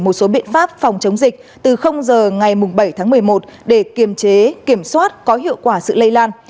một số biện pháp phòng chống dịch từ h ngày bảy tháng một mươi một để kiểm soát có hiệu quả sự lây lan